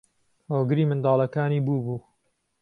هۆگری منداڵەکانی بووبوو